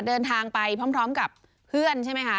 เดินทางไปพร้อมกับเพื่อนใช่ไหมคะ